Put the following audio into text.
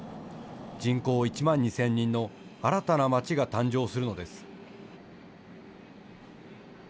人口１万２０００人の新たな街が誕生するのです。